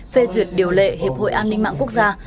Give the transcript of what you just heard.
phê duyệt điều lệ hiệp hội an ninh mạng quốc gia